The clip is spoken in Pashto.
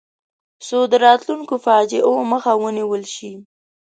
څو د راتلونکو فاجعو مخه ونیول شي.